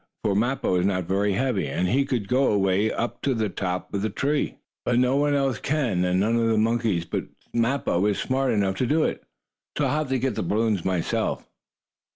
For Mappo is not very heavy, and he could go away up to the top of the tree. "But no one else can, and none of the monkeys but Mappo is smart enough to do it. So I'll have to get the balloons myself."